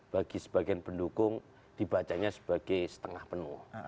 bagi sebagian pendukung dibacanya sebagai setengah penuh